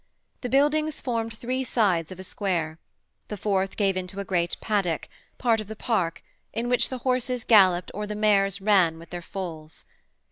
The buildings formed three sides of a square: the fourth gave into a great paddock, part of the park, in which the horses galloped or the mares ran with their foals.